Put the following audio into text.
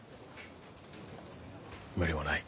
無理もない。